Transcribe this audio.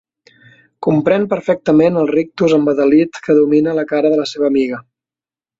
Comprèn perfectament el rictus embadalit que domina la cara de la seva amiga.